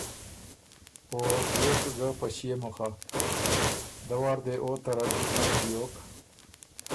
او بیوک ګه په ݭيې مُخه، دۀ وار دې او تردد نک بیوک